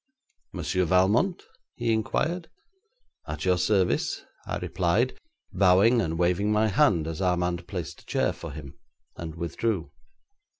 'Monsieur Valmont?' he inquired. 'At your service,' I replied, bowing and waving my hand as Armand placed a chair for him, and withdrew.